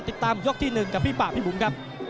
ติดตามยกที่๑กับพี่ป่าพี่บุ๋มครับ